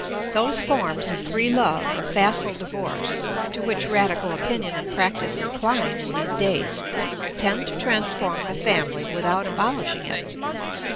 ] Those forms of free love or facile divorce to which radical opinion and practice incline in these days tend to transform the family without abolishing it.